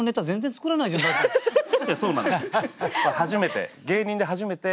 いやそうなんですよ